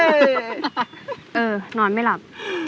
เออนอนไม่หลับ